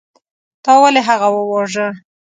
تا ولې هغه وواژه.